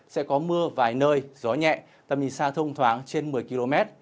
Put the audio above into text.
sẽ có mưa vài nơi gió nhẹ tầm nhìn xa thông thoáng trên một mươi km